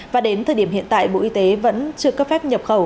và đến thời điểm hiện tại bộ y tế vẫn chưa cấp phép nhập khẩu